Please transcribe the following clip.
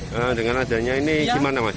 nah dengan adanya ini gimana mas